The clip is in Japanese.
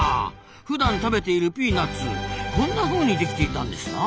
ふだん食べているピーナッツこんなふうにできていたんですなあ。